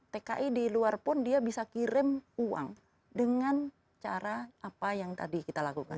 tki di luar pun dia bisa kirim uang dengan cara apa yang tadi kita lakukan